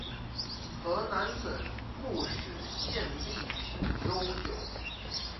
河南省固始县历史悠久